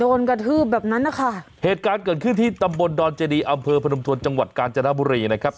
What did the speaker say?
กระทืบแบบนั้นนะคะเหตุการณ์เกิดขึ้นที่ตำบลดอนเจดีอำเภอพนมทวนจังหวัดกาญจนบุรีนะครับ